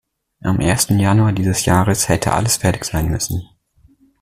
Am ersten Januar dieses Jahres hätte alles fertig sein müssen.